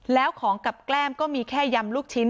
แล้วของกับแก้มก็มีแค่ยำลูกชิ้น